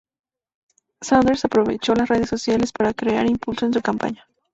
Sanders aprovechó las redes sociales para crear impulso en su campaña.